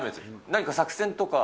何か作戦とか？